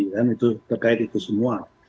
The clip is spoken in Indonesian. dan itu terkait itu semua